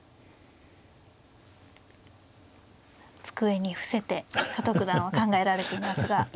机に伏せて佐藤九段は考えられていますが。